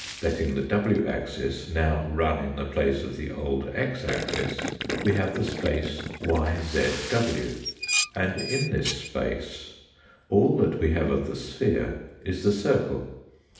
Letting the w axis now run in the place of the old x axis we have the space yzw, and in this space all that we have of the sphere is the circle.